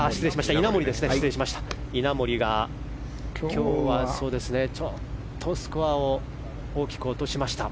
稲森が今日はちょっとスコアを大きく落としました。